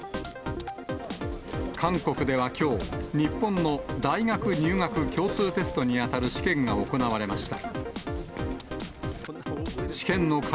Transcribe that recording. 韓国ではきょう、日本の大学入学共通テストに当たる試験が行われました。